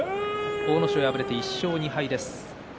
阿武咲が敗れて１勝２敗です。